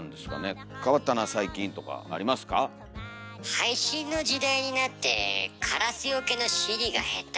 配信の時代になってカラスよけのＣＤが減った。